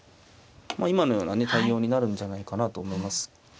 今のようなね対応になるんじゃないかなと思います。